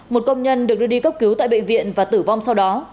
một công nhân được đưa đi cấp cứu tại bệnh viện và tử vong sau đó